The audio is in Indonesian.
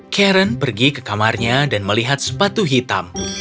karen pergi ke kamarnya dan melihat sepatu hitam